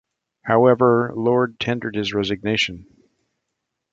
However, Lord tendered his resignation.